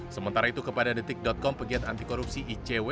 sementara itu kepada detik com pegiat antikorupsi icw